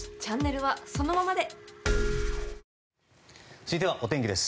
続いてはお天気です。